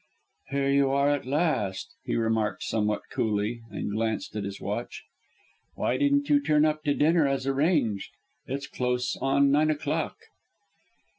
"Here you are at last!" he remarked somewhat coolly, and glanced at his watch. "Why didn't you turn up to dinner as arranged? It's close on nine o'clock."